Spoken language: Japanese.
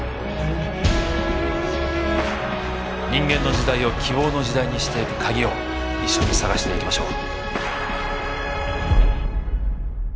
人間の時代を希望の時代にしていく鍵を一緒に探していきましょう。